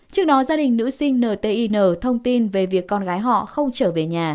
trước đó gia đình nữ sinh ntina thông tin về việc con gái họ không trở về nhà